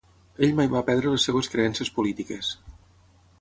Ell mai va perdre les seves creences polítiques.